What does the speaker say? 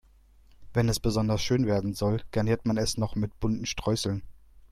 Wenn es besonders schön werden soll, garniert man es noch mit bunten Streuseln.